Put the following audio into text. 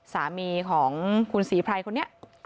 สามีของคุณศรีไพรคนนี้